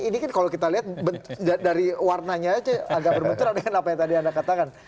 ini kan kalau kita lihat dari warnanya aja agak berbenturan dengan apa yang tadi anda katakan